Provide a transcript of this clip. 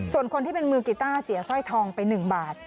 ส่วนคนที่เป็นมือกีต้าเสียสร้อยทองไป๑บาท